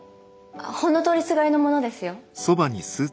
ほんの通りすがりの者ですよ。